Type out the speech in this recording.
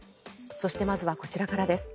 そして、まずはこちらからです。